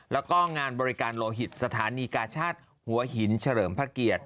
แล้วก็งานบริการโลหิตสถานีกาชาติหัวหินเฉลิมพระเกียรติ